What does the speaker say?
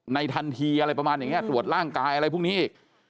ทันทีอะไรประมาณอย่างนี้ตรวจร่างกายอะไรพวกนี้อีก